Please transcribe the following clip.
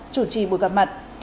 chủ trì buổi gặp mặt